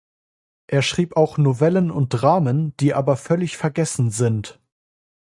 Er schrieb auch Novellen und Dramen, die aber völlig vergessen sind.